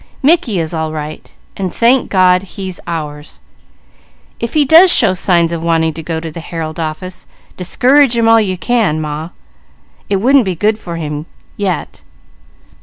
Mickey is all right, and thank God, he's ours If he does show signs of wanting to go to the Herald office, discourage him all you can, Ma; it wouldn't be good for him yet."